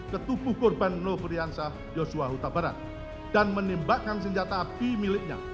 ke tubuh korban nofriansah yosua huta barat dan menembakkan senjata api miliknya